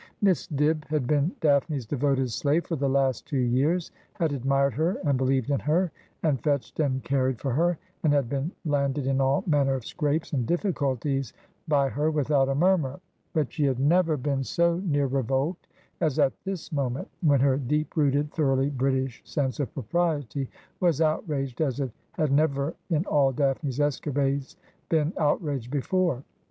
Miss Dibb had been Daphne's devoted slave for the last two years, had admired her and believed in her, and fetched and carried for her, and had been landed in all manner of scrapes and difiiculties by her without a murmur ; but she had never ' And She was Fair as is the Rose in May.' 11 been so near revolt as at this moment, when her deep rooted, thoroughly British sense of propriety was outraged as it had never in all Daphne's escapades been outraged before.